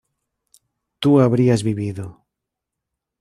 tú habrías vivido